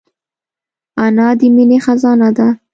انا د مینې خزانه ده